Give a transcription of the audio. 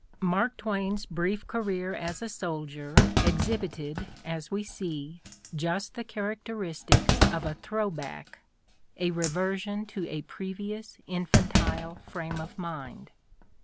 Mark Twain's brief career as a soldier exhibited, as we see, just the characteristics of a "throw back," a reversion to a previ ous infantile frame of mind.